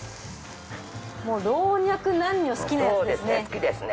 もう老若男女好きなやつですね。